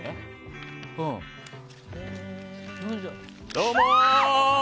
どうも！